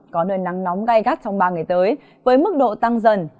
có nơi nắng nóng gai gắt trong ba ngày tới với mức độ tăng dần